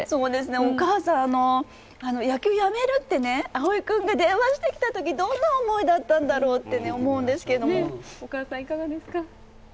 お母さん、野球やめるって蒼生君が電話してきたときどんな思いだったんだろうって思うんですけども。